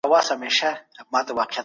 زموږ په ټولنه کې د منځنۍ لارې خلګ لږ دي.